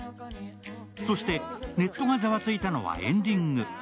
そして、ネットがざわついたのはエンディング。